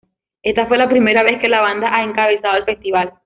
Esta fue la primera vez que la banda ha encabezado el festival.